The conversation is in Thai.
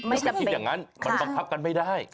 ไปคิดอย่างนั้นมันบังคับกันไม่ได้